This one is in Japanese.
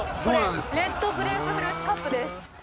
レッドグレープフルーツカップです。